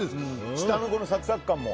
下のサクサク感も。